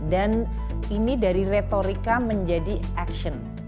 dan ini dari retorika menjadi action